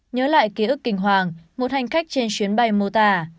nhớ lại ký ức kinh hoàng một hành khách trên chuyến bay mota